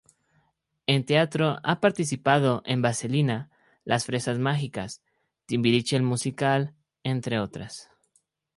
En teatro ha participado en "Vaselina", "Las fresas mágicas", "Timbiriche, el musical", entre otras.